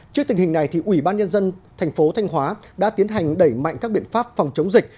trước tình hình này ủy ban nhân dân thành phố thanh hóa đã tiến hành đẩy mạnh các biện pháp phòng chống dịch